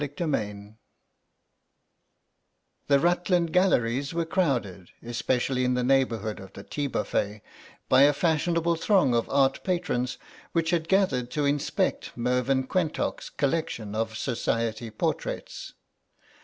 CHAPTER X THE Rutland Galleries were crowded, especially in the neighbourhood of the tea buffet, by a fashionable throng of art patrons which had gathered to inspect Mervyn Quentock's collection of Society portraits.